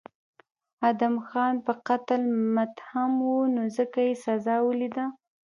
ادهم خان په قتل متهم و نو ځکه یې سزا ولیده.